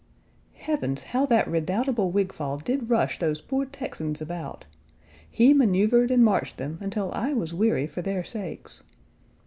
Heavens! how that redoubtable Wigfall did rush those poor Texans about! He maneuvered and marched them until I was weary for their sakes.